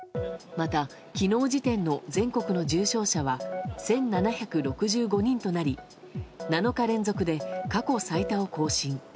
また昨日時点の全国の重症者は１７６５人となり７日連続で過去最多を更新。